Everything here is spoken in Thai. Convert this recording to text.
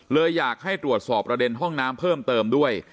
เลยอยากให้ตรวจสอบประเด็นห้องน้ำเพิ่มเติมด้วย